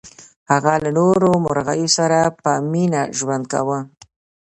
هغه له نورو مرغیو سره په مینه ژوند کاوه.